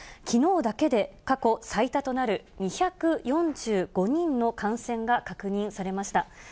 きのうだけで過去最多となる２４５人の感染が確認されました。